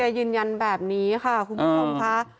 ยืนยันแบบนี้ค่ะคุณผู้ชมค่ะ